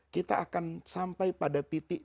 kita akan sampai pada titik